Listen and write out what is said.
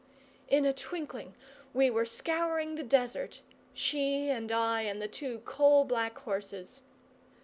In a twinkling we were scouring the desert she and I and the two coal black horses.